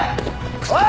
おい！